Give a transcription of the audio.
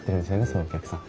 そのお客さん。